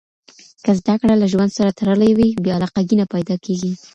که زده کړه له ژوند سره تړلې وي، بې علاقګي نه پیدا کېږي.